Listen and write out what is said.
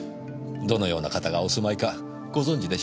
どのような方がお住まいかご存じでしょうか？